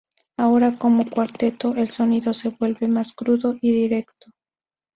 Ahora como cuarteto, el sonido se vuelve más crudo y directo.